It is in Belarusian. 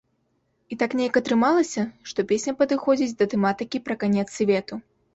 І так неяк атрымалася, што песня падыходзіць да тэматыкі пра канец свету.